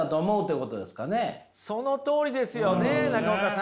そのとおりですよね中岡さん。